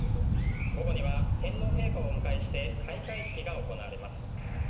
午後には天皇陛下をお迎えして開会式が行われます。